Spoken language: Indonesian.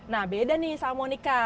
nah beda nih sama monika